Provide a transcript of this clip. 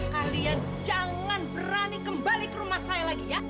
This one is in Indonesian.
kalian jangan berani kembali ke rumah saya lagi ya